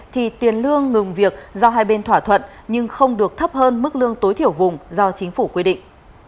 thì tiền lương ngừng việc do hai bên thỏa thuận nhưng không được thấp hơn mức lương tối thiểu vùng do chính phủ quy định